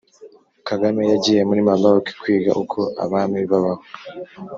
Kagame yagiye muli Maroc kwiga uko abami babaho.